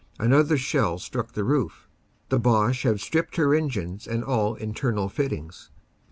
Another shell struck the roof. The Boche have stripped her engines and all internal fittings.